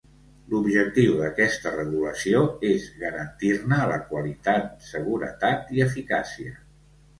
L'objectiu d'aquesta regulació és garantir-ne la qualitat, seguretat i eficàcia.